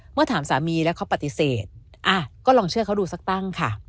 เมื่อถามสามีแล้วเขาปฏิเสธก็ลองเชื่อเขาดูสักตั้งค่ะ